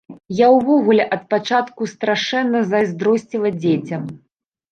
Я ўвогуле ад пачатку страшэнна зайздросціла дзецям.